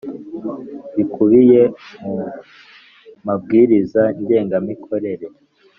bikubiye mu Mabwiriza Ngengamikorere